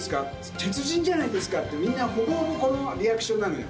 鉄人じゃないですかって、みんな、ほぼほぼこのリアクションなのよ。